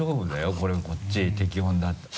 これこっち適温だった。